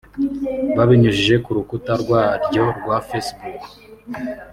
babinyujije ku rukuta rwaryo rwa Facebook